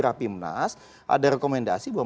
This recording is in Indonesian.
rapimnas ada rekomendasi bahwa